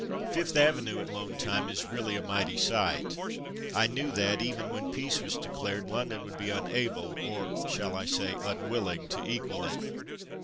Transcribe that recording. Fifth Avenue at Loan time is really a mighty sight. I knew that even when peace was declared London would be unable or, shall I say, unwilling to equal it.